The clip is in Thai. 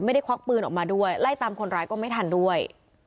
ควักปืนออกมาด้วยไล่ตามคนร้ายก็ไม่ทันด้วย